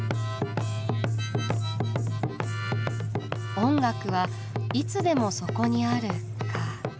「音楽はいつでもそこにある」か。